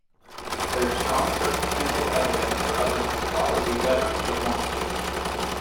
There is strong circumstantial evidence for other, probably better, performances.